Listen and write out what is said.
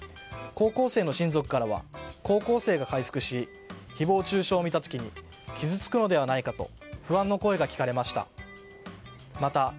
高校生の親族からは高校生が回復し誹謗中傷を見た時に傷つくのではないかと不安の声が聞かれました。